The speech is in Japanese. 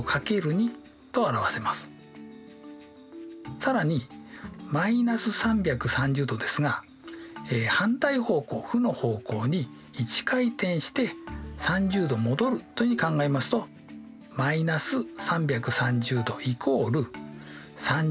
更に−３３０°ですが反対方向負の方向に１回転して３０°戻るというように考えますと−３３０°＝３０°＋３６０°×と表せます。